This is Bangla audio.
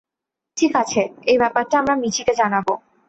ঠিক আছে, এই ব্যাপারটা আমরা মিচিকে জানাব।